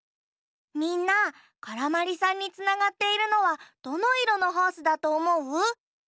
みんなからまりさんにつながっているのはどのいろのホースだとおもう？